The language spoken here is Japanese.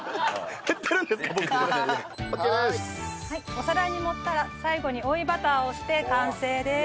お皿に盛ったら最後に追いバターをして完成です。